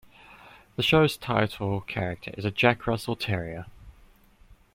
The show's title character is a Jack Russell Terrier.